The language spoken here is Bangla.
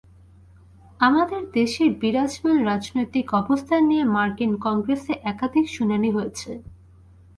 আমাদের দেশের বিরাজমান রাজনৈতিক অবস্থান নিয়ে মার্কিন কংগ্রেসে একাধিক শুনানি হয়েছে।